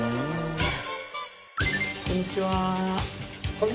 こんにちは。